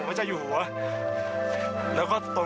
สวัสดีครับทุกคน